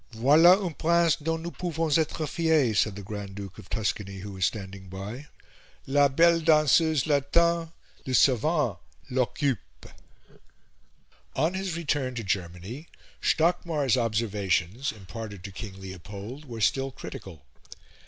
"Voila un prince dont nous pouvons etre fiers," said the Grand Duke of Tuscany, who was standing by: "la belle danseuse l'attend, le savant l'occupe." On his return to Germany, Stockmar's observations, imparted to King Leopold, were still critical.